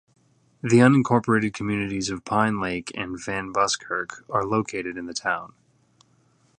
The unincorporated communities of Pine Lake and Van Buskirk are located in the town.